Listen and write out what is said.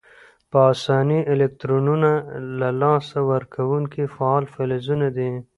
په آساني الکترونونه له لاسه ورکونکي فعال فلزونه دي.